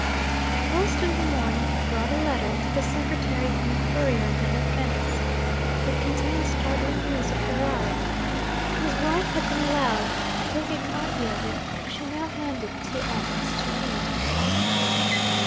The post of the morning had brought a letter to the secretary from a courier then at Venice. It contained startling news of Ferrari. His wife had been allowed to take a copy of it, which she now handed to Agnes to read.